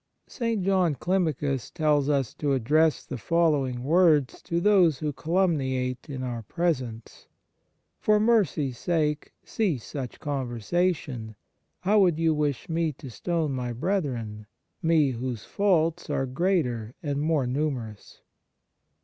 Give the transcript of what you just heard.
St. John Climacus tells us to address the following words to those who calumniate in our presence :" For mercy s sake cease such conversation ! How would you wish me to stone my brethren me, whose faults are greater and more numerous